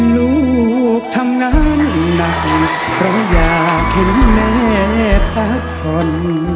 ลูกทางนั้นเราอยากเห็นแม่พักผ่อน